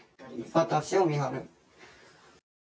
私を見張る。